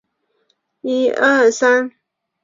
前方为大脑前动脉及其交通支。